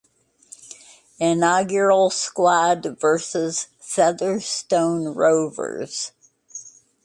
Inaugural squad vs Featherstone Rovers